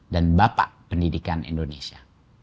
dan bapak pendidikan indonesia